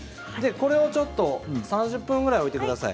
これを３０分ぐらい置いてください。